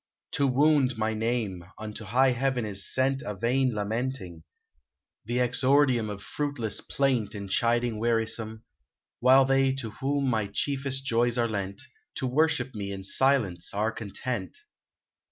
To wound my name, unto high heaven is sent A vain lamenting, — the exordium Of fruitless plaint and chiding wearisome, — While they to whom my chief est joys are lent. To worship me in silence are content